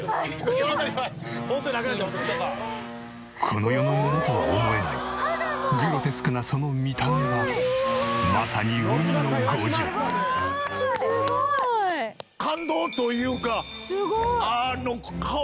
この世のものとは思えないグロテスクなその見た目はまさに「すごい！」「感動というかあの顔もすごいね！」